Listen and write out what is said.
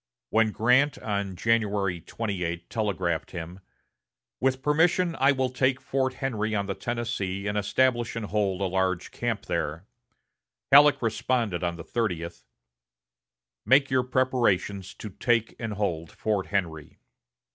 When Grant, on January 28, telegraphed him: "With permission, I will take Fort Henry on the Tennessee, and establish and hold a large camp there," Halleck responded on the thirtieth: "Make your preparations to take and hold Fort Henry."